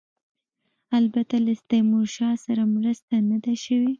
البته له تیمورشاه سره مرسته نه ده شوې.